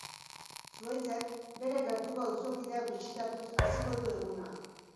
Zuhaitzek bere gertuko auzokideak bisitatuz hasiko du eguna.